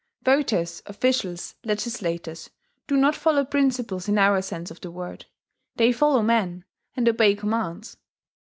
Voters, officials, legislators, do not follow principles in our sense of the word: they follow men, and obey commands.